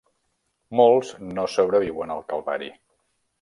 Molts no sobreviuen el calvari.